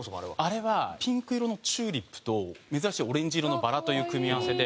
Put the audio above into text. あれはピンク色のチューリップと珍しいオレンジ色のバラという組み合わせで。